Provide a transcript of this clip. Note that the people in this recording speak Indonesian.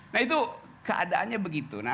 nah itu keadaannya begitu